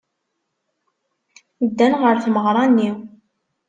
Ddan ɣer tmeɣra-nni.